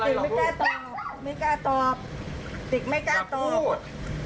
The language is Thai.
ไม่กล้าตอบไม่กล้าตอบติกไม่กล้าตอบ